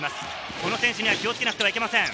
この選手には気をつけなくてはいけません。